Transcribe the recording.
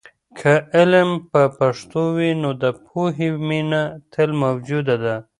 که علم په پښتو وي، نو د پوهې مینه تل موجوده ده.